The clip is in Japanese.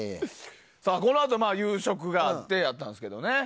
このあと夕食があってやったんですけどね。